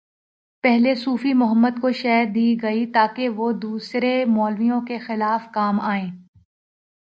پہلے صوفی محمد کو شہ دی گئی تاکہ وہ دوسرے مولویوں کے خلاف کام آئیں۔